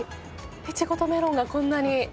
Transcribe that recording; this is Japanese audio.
イチゴとメロンがこんなに。